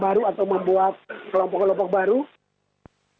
dari keterangan pak jokowi